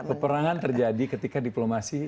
peperangan terjadi ketika diplomasi